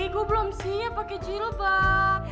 ibu belum siap pakai jilbab